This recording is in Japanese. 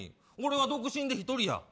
俺は独身で１人や。